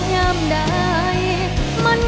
สวัสดีครับ